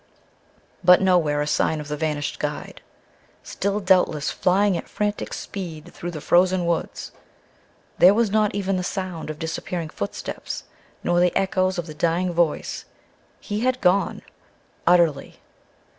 But nowhere a sign of the vanished guide still, doubtless, flying at frantic speed through the frozen woods. There was not even the sound of disappearing footsteps, nor the echoes of the dying voice. He had gone utterly.